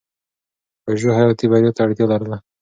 پژو حیاتي بریا ته اړتیا لرله.